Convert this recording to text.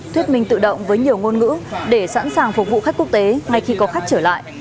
thuyết minh tự động với nhiều ngôn ngữ để sẵn sàng phục vụ khách quốc tế ngay khi có khách trở lại